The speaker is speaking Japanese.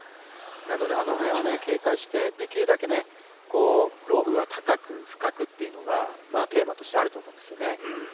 なのであの辺を警戒してできるだけロブは高く深くというのがテーマとしてあると思うんですよね。